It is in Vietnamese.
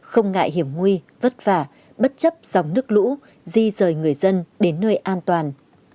không ngại hiểm nguy vất vả bất chấp dòng nước lũ di rời người dân đến nơi an toàn